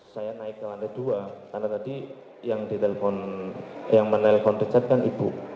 saya naik ke lantai dua karena tadi yang menelpon the chat kan ibu